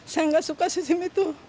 saya nggak suka sistem itu